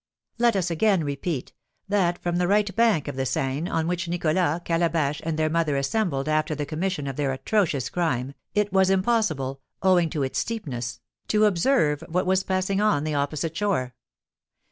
Let us again repeat, that, from the right bank of the Seine, on which Nicholas, Calabash, and their mother assembled after the commission of their atrocious crime, it was impossible, owing to its steepness, to observe what was passing on the opposite shore.